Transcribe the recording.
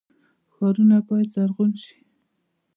ښارونه باید زرغون شي